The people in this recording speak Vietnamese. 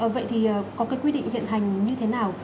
vậy thì có cái quy định hiện hành như thế nào